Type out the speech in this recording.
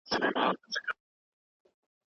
که ته بصیرت ولرې نو حقیقت به ومومي.